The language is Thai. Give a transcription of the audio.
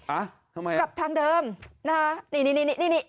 อ่ะทำไมอ่ะกลับทางเดิมนะฮะนี่นี่นี่นี่